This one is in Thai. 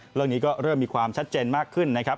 เรื่องนี้ก็เริ่มมีความชัดเจนมากขึ้นนะครับ